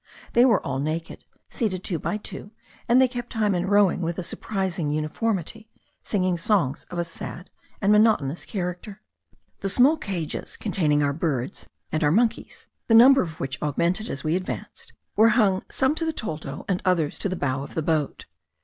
They were all naked, seated two by two, and they kept time in rowing with a surprising uniformity, singing songs of a sad and monotonous character. The small cages containing our birds and our monkeys, the number of which augmented as we advanced, were hung some to the toldo and others to the bow of the boat.